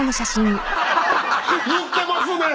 言ってますね！